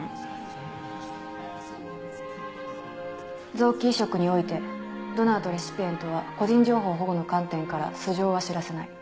臓器移植においてドナーとレシピエントは個人情報保護の観点から素性は知らせない。